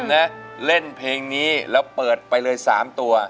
นะเล่นเพลงนี้แล้วเปิดไปเลย๓ตัว